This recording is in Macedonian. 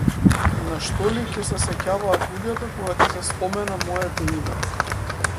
На што ли ќе се сеќаваат луѓето, кога ќе се спомене моето име?